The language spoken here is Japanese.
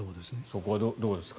そこはどうですか？